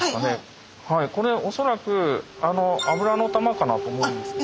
はいこれおそらく油の球かなと思うんです。